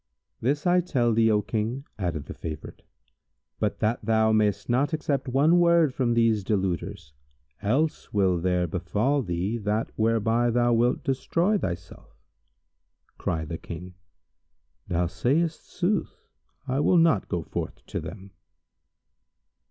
"This I tell thee, O King," added the favourite "but that thou mayst not accept one word from these deluders; else will there befal thee that whereby thou wilt destroy thyself." Cried the King, "Thou sayst sooth; I will not go forth to them."